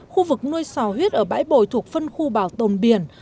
khu vực nuôi sò huyết ở bãi bồi thuộc phân khu bảo tồn biển